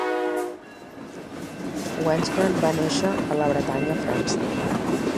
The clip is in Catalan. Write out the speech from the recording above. Gwenc'hlan va nàixer a la Bretanya, França.